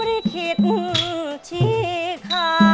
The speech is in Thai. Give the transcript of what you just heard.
อะไรมั้ยครับ